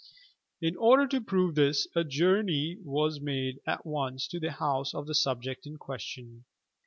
In order to prove this, a journey was made at once to the house of the subject in qnestion.